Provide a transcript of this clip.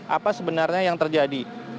apa sebenarnya yang terjadi